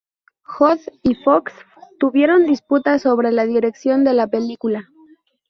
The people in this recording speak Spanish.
Hood y Fox tuvieron disputas sobre la dirección de la película.